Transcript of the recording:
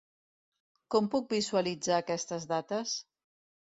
Com puc visualitzar aquestes dates?